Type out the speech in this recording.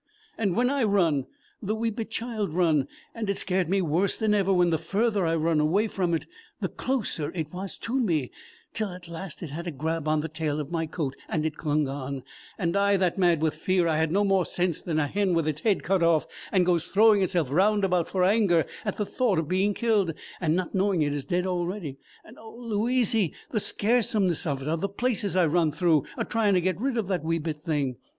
"And when I run, the wee bit child run; and it scared me worse than ever when the further I run away from it the closer it was to me, till at last it had a grab on the tail of my coat; and it clung on, and I that mad with fear I had no more sense than a hen with its head cut off and goes throwing itself round about for anger at the thought of being killed, and not knowing it is dead already. And oh, Louizy, the scaresomeness of the places I run through a trying to get rid of that wee bit thing!